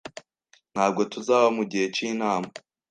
Ntabwo tuzaba mugihe cyinama.